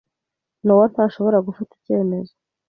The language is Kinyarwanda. Nowa ntashobora gufata icyemezo.